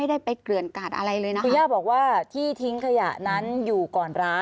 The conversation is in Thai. ใช่เป็นที่ทิ้งอยู่แล้ว